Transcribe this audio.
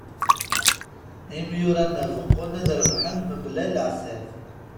Imyurar-nneɣ beqqun ad rebḥen mebla leɛtab.